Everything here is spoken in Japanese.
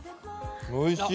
おいしい。